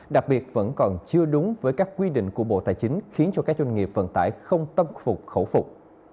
đặc biệt vẫn còn chưa đúng với các quy định của bộ tài chính khiến cho các doanh nghiệp vận tải không tâm phục khẩu phục